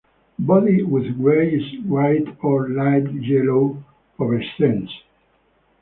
Body with greyish white or light yellow pubescence.